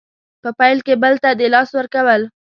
په پیل کې بل ته د لاس ورکول